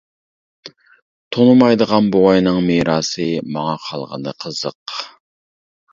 تونۇمايدىغان بوۋاينىڭ مىراسى ماڭا قالغىنى قىزىق.